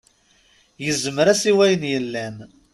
Yezmer-as i wayen yellan.